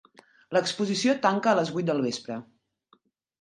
L'exposició tanca a les vuit del vespre.